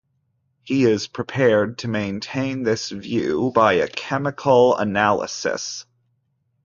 He is prepared to maintain this view by a chemical analysis.